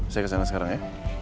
saya kesana sekarang ya